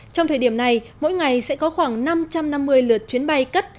trong thời điểm này mỗi ngày sẽ có khoảng năm trăm năm mươi lượt chuyến bay cất